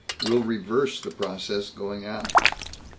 "We'll reverse the process going out."